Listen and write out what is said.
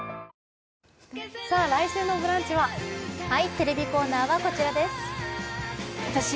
テレビコーナーはこちらです。